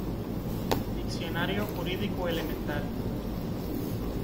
Diccionario Jurídico Elemental.